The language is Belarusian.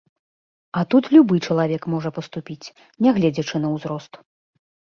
А тут любы чалавек можа паступіць, нягледзячы на ўзрост.